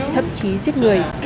thậm chí giết người